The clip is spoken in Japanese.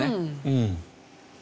うん。